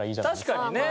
確かにね。